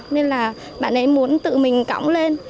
nên là bạn ấy muốn tự mình cõng lên